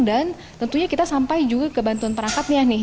dan tentunya kita sampai juga ke bantuan perangkatnya nih